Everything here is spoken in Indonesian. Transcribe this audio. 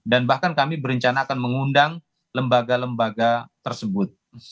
dan bahkan kami berencana akan mengundang lembaga lembaga tersebut